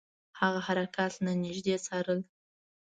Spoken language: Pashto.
هغه حرکات له نیژدې څارل.